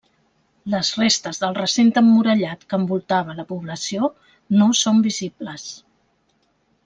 Les restes del recinte emmurallat que envoltava la població no són visibles.